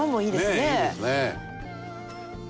ねえいいですね。